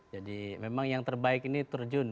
jadi memang yang terbaik ini terjun